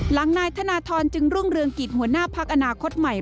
นายธนทรจึงรุ่งเรืองกิจหัวหน้าพักอนาคตใหม่